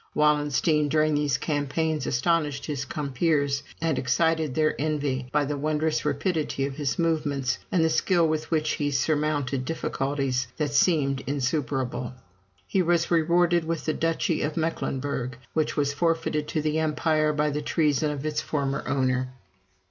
Wallenstein during these campaigns astonished his compeers, and excited their envy, by the wondrous rapidity of his movements, and the skill with which he surmounted difficulties that seemed insuperable. He was rewarded with the duchy of Mecklenburg, which was forfeited to the Empire by the treason of its former owner.